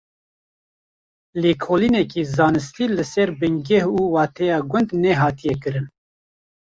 Lêkolîneke zanistî li ser bingeh û wateya gund nehatiye kirin.